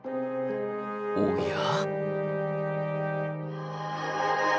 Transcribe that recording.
［おや？］